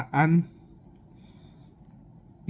dan juga dukungan bantuan personal tni